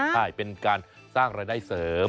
ใช่เป็นการสร้างรายได้เสริม